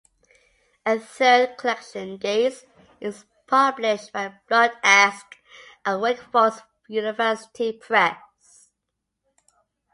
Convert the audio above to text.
A third collection, "Geis", is published by Bloodaxe and Wake Forest University Press.